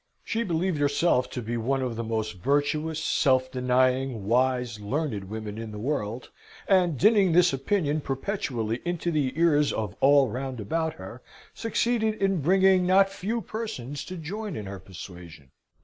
She believed herself to be one of the most virtuous, self denying, wise, learned women in the world; and, dinning this opinion perpetually into the ears of all round about her, succeeded in bringing not few persons to join in her persuasion.